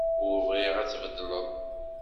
Ur bɣiɣ ad tbeddleḍ.